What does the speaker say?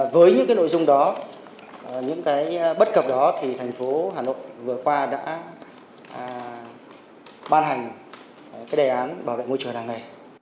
với những nội dung đó những bất cập đó thành phố hà nội vừa qua đã ban hành đề án bảo vệ môi trường làng nghề